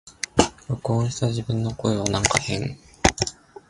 録音した自分の声はなんか変